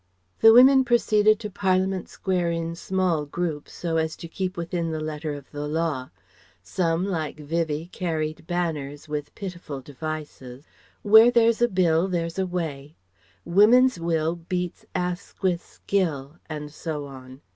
The women proceeded to Parliament Square in small groups so as to keep within the letter of the law. Some like Vivie carried banners with pitiful devices "Where there's a Bill there's a Way," "Women's Will Beats Asquith's Skill," and so on....